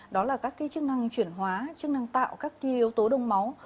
đó là các cái chức năng chuyển hóa chức năng tạo các cái yếu tố đông máu